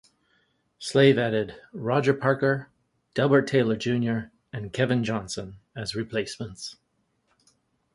Slave added Roger Parker, Delbert Taylor, Junior and Kevin Johnson as replacements.